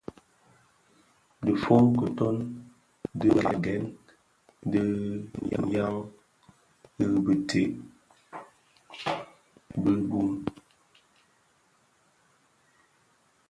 Dhi fon kitoň didhagen di jaň i biteën bi bum,